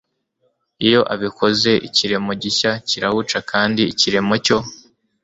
iyo abikoze ikiremo gishya kirawuca kandi ikiremo cyo